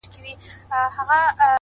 په کټ کټ به په خندا سي،